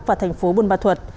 và thành phố bùn bà thuật